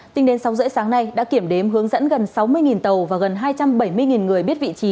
tính đến sáu h ba mươi sáng nay đã kiểm đếm hướng dẫn gần sáu mươi tàu và gần hai trăm bảy mươi người biết vị trí